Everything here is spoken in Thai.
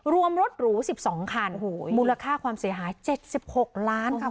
รวมรถหรูสิบสองคันโหมูลค่าความเสียหายเจ็ดสิบหกล้านค่ะ